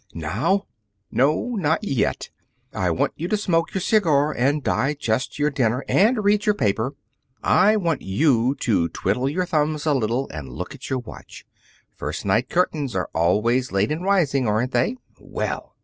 "Now?" "No; not yet. I want you to smoke your cigar and digest your dinner and read your paper. I want you to twiddle your thumbs a little and look at your watch. First night curtains are always late in rising, aren't they? Well!"